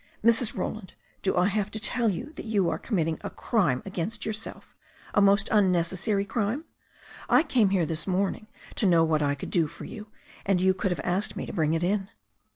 "Mrs. Roland, do I have to tell you that you are com mitting a crime against yourself; a most unnecessary crime? I came here this morning to know what I could do for yoU| and you could have asked me to bring it in."